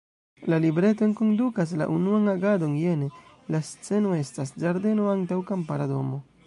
La libreto enkondukas la "unuan agadon" jene: „La sceno estas ĝardeno antaŭ kampara domo.